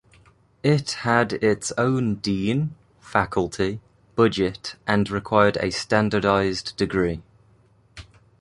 It had its own Dean, faculty, budget and required a standardized degree.